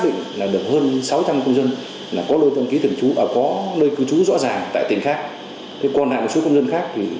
định là được hơn sáu trăm linh công dân là có nơi cư trú rõ ràng tại tỉnh khác còn lại một số công dân khác